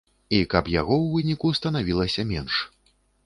І каб яго ў выніку станавілася менш.